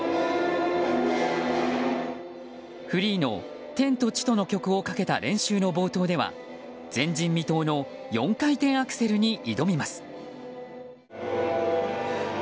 フリーの「天と地と」との曲をかけた練習の冒頭では前人未到の４回転アクセルに挑みます。